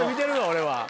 俺は。